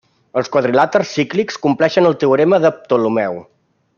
Els quadrilàters cíclics compleixen el teorema de Ptolemeu.